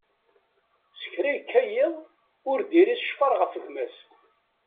S kra yekka yiḍ, ur d-iris ccfer ɣef gma-s.